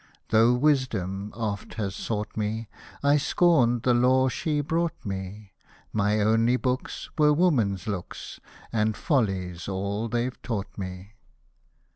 Though Wisdom oft has sought me, I scorned the lore she brought me, My only books Were woman's looks, And folly's all they've taught me.